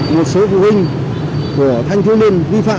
một số phụ huynh của thanh thiếu niên vi phạm